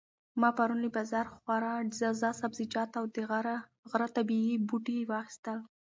ما پرون له بازاره خورا تازه سبزیجات او د غره طبیعي بوټي واخیستل.